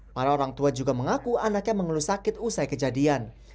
para orang tua juga mengaku anaknya mengeluh sakit usai kejadian